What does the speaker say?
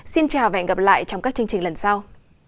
xin chào và hẹn gặp lại trong các chương trình lần sau